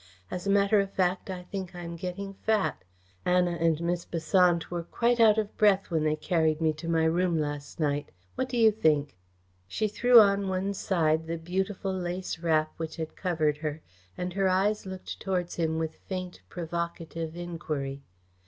As a matter of fact, I think I'm getting fat. Anna and Miss Besant were quite out of breath when they carried me to my room last night. What do you think?" She threw on one side the beautiful lace wrap which had covered her, and her eyes looked towards him with faint, provocative enquiry.